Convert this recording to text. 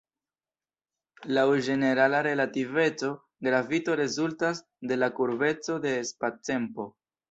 Laŭ ĝenerala relativeco, gravito rezultas de la kurbeco de spactempo.